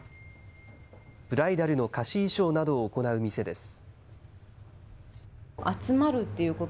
ブライダルの貸衣装などを行う店です。